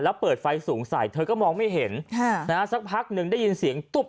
แล้วเปิดไฟสูงใส่เธอก็มองไม่เห็นสักพักหนึ่งได้ยินเสียงตุ๊บ